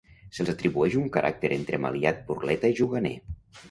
Se'ls atribueix un caràcter entremaliat, burleta i juganer.